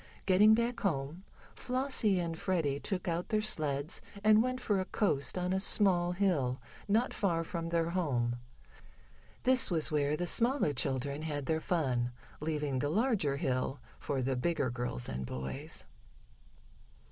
Getting back home, Flossie and Freddie took out their sleds and went for a coast on a small hill, not far from their home. This was where the smaller children had their fun, leaving the larger hill for the bigger girls and boys.